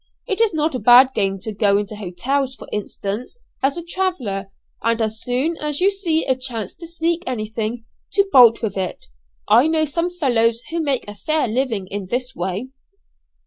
It's not a bad game to go into hotels, for instance, as a traveller, and as soon as you see a chance to sneak anything, to bolt with it. I know some fellows who make a fair living in this way."